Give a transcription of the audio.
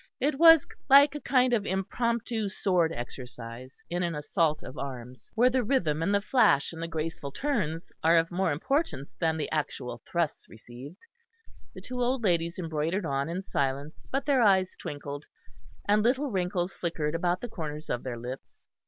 It was like a kind of impromptu sword exercise in an assault of arms, where the rhythm and the flash and the graceful turns are of more importance than the actual thrusts received. The two old ladies embroidered on in silence, but their eyes twinkled, and little wrinkles flickered about the corners of their lips.